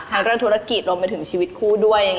เรื่องธุรกิจรวมไปถึงชีวิตคู่ด้วย